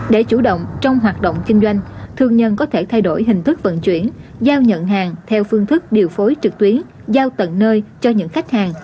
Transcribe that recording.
để chủ động trong hoạt động kinh doanh thương nhân có thể thay đổi hình thức vận chuyển giao nhận hàng theo phương thức điều phối trực tuyến giao tận nơi cho những khách hàng